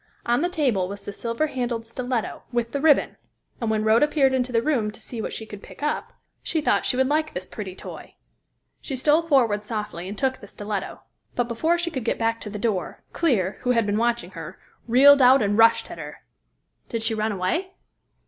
On the table was the silver handled stiletto, with the ribbon; and when Rhoda peered into the room to see what she could pick up, she thought she would like this pretty toy. She stole forward softly and took the stiletto, but before she could get back to the door, Clear, who had been watching her, reeled out and rushed at her." "Did she run away?"